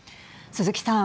鈴木さん。